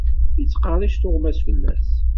Ittqerric tuɣmas fell-as.